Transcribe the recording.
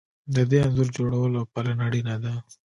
د دې انځور جوړول او پالنه اړینه ده.